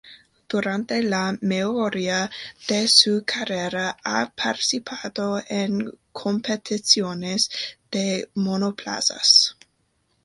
Durante la mayoría de su carrera, ha participado en competiciones de monoplazas.